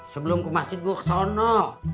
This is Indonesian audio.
sebelum ke masjid gue kesana